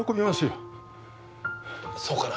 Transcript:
そうかな？